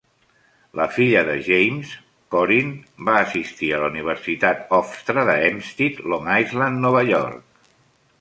La filla de James, Corin, va assistir a la Universitat Hofstra de Hempstead, Long Island, Nova York.